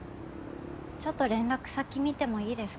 ちょっと連絡先見てもいいですか？